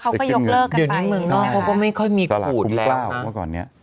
แล้วเขาก็ยกเลิกกันไปใช่ไหมครับก็ไม่ค่อยมีขูดแล้วนะจราคุมกล้าวว่าก่อนนี้